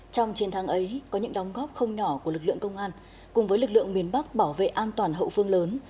trong chiến thắng ấy có những đóng góp không nhỏ của lực lượng công an cùng với lực lượng miền bắc bảo vệ an toàn hậu phương lớn